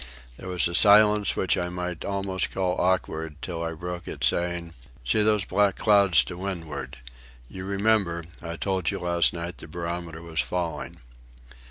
There was a silence I might almost call awkward, till I broke it, saying: "See those black clouds to windward. You remember, I told you last night the barometer was falling."